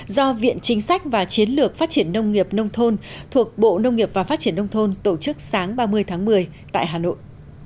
do viện chính sách và chiến lược phát triển nông nghiệp nông thôn thuộc bộ nông nghiệp và phát triển nông thôn tổ chức sáng ba mươi tháng một mươi tại hà nội